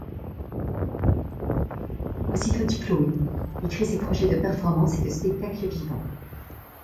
Aussitôt diplômé, il crée ses projets de performance et de spectacle vivant.